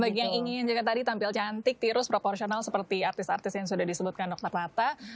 bagi yang ingin juga tadi tampil cantik tirus proporsional seperti artis artis yang sudah disebutkan dr latta